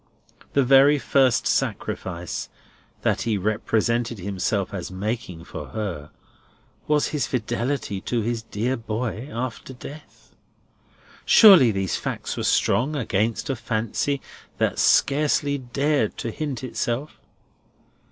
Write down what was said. The very first sacrifice that he represented himself as making for her, was his fidelity to his dear boy after death. Surely these facts were strong against a fancy that scarcely dared to hint itself.